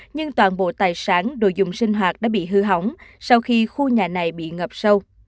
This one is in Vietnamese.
nhưng toàn bộ tài sản đồ dùng sinh hoạt đã bị hư hỏng sau khi khu nhà này bị ngập sâu